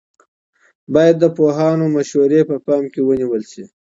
باید د پوهانو مشورې په پام کې ونیول سي.